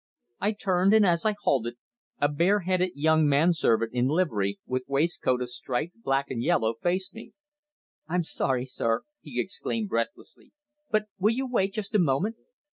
I turned, and as I halted, a bare headed young man servant in livery, with waistcoat of striped black and yellow, faced me. "I'm sorry, sir," he exclaimed breathlessly, "but will you wait just a moment?"